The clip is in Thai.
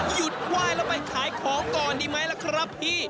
หยุดไหว้แล้วไปขายของก่อนดีไหมล่ะครับพี่